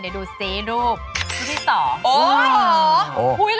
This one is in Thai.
เดี๋ยวดูสิรูปรูปที่สองอู๋หรออ๋อ